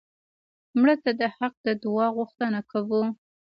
مړه ته د حق د دعا غوښتنه کوو